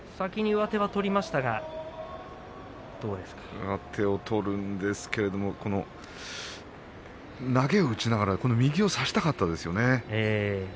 上手を取るんですけれども投げを打ちながら右を差したかったですよね。